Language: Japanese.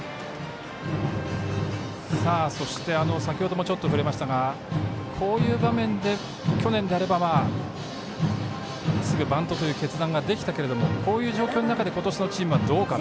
そして、先ほどもちょっと触れましたがこういう場面で去年であればすぐバントという決断ができたけれどもこういう状況の中で今年のチームはどうか。